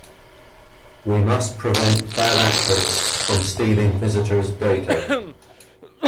We must prevent bad actors from stealing visitors data.